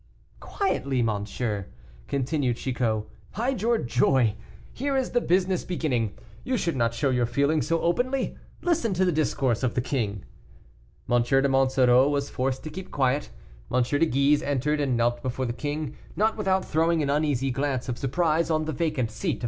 "Quietly, monsieur," continued Chicot; "hide your joy, here is the business beginning; you should not show your feelings so openly; listen to the discourse of the king." M. de Monsoreau was forced to keep quiet. M. de Guise entered and knelt before the king, not without throwing an uneasy glance of surprise on the vacant seat of M.